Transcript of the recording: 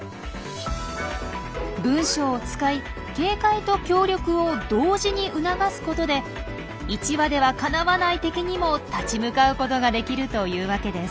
文章を使い警戒と協力を同時に促すことで１羽ではかなわない敵にも立ち向かうことができるというわけです。